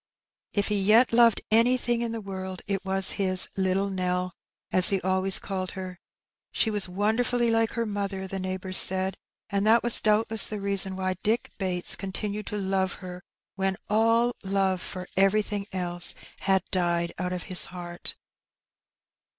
If he yet loved anything in the world, it was his "little Nell,'^ as he always called her. She was wonderfully like her mother, the neighbours said, and that was doubtless the reason why Dick Bates continued to love her when all love for everything else had died out of his heart.